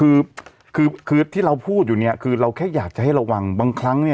คือคือที่เราพูดอยู่เนี่ยคือเราแค่อยากจะให้ระวังบางครั้งเนี่ย